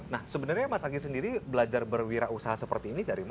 nah sebenarnya mas agis sendiri belajar berwirausaha seperti ini dan berusaha